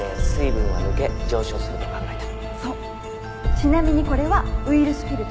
ちなみにこれはウイルスフィルター。